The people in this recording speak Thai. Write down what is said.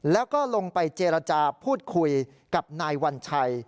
แล้วก็ลงไปเจรจาพูดคุยกับนายวัญชัย